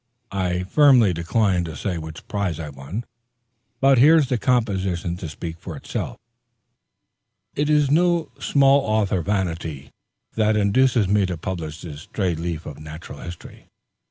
I firmly decline to say which prize I won; but here's the composition to speak for itself. It is no small author vanity that induces me to publish this stray leaf of natural history.